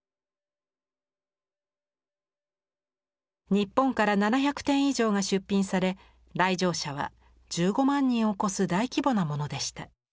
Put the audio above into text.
日本から７００点以上が出品され来場者は１５万人を超す大規模なものでした。